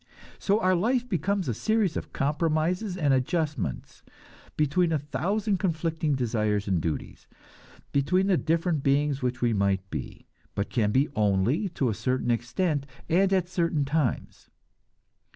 So our life becomes a series of compromises and adjustments between a thousand conflicting desires and duties; between the different beings which we might be, but can be only to a certain extent, and at certain times.